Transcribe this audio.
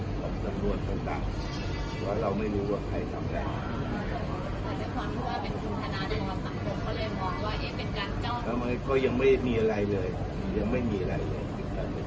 ครูเจตคนที่ทุนทุนข้อมอบบเขาก็ว่าเอ๊ะเป็นกับก็ยังไม่มีอะไรเลยยังไม่มีอะไรเลย